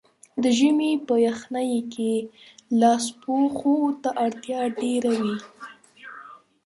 د ژمي په یخنۍ کې لاسپوښو ته اړتیا ډېره وي.